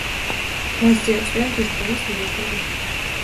მასზე აწყვია მთის ბროლის დიდი ქვები.